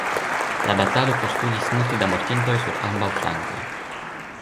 La batalo postulis multe da mortintoj sur ambaŭ flankoj.